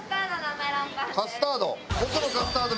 カスタード。